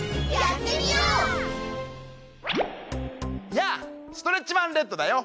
やあストレッチマンレッドだよ！